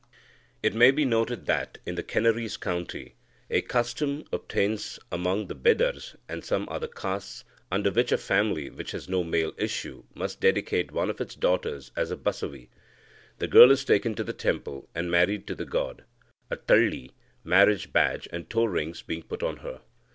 It may be noted that, in the Canarese country, a custom obtains among the Bedars and some other castes, under which a family which has no male issue must dedicate one of its daughters as a Basavi. The girl is taken to the temple, and married to the god, a tali (marriage badge) and toe rings being put on her.